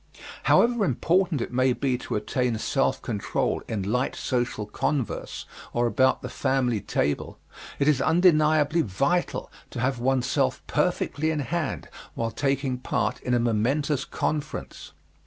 However important it may be to attain self control in light social converse, or about the family table, it is undeniably vital to have oneself perfectly in hand while taking part in a momentous conference.